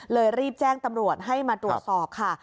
รีบแจ้งตำรวจให้มาตรวจสอบค่ะ